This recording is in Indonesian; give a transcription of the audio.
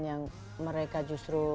yang mereka justru